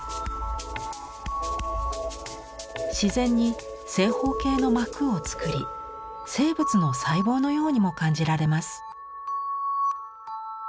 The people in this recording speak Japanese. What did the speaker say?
自然に正方形の膜を作り生物の細胞のようにも感じられます。